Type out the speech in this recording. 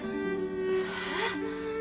えっ？